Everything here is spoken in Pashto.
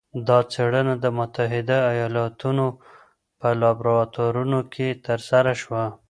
دا څېړنه د متحده ایالتونو په لابراتورونو کې ترسره شوه.